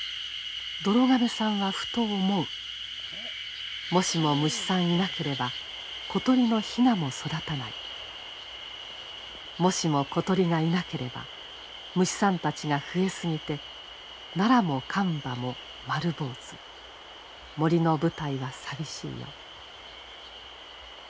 「どろ亀さんはふと思うもしも虫さんいなければ小鳥のヒナも育たないもしも小鳥がいなければ虫さんたちが増え過ぎてナラもカンバも丸坊主森の舞台は寂しいよ」。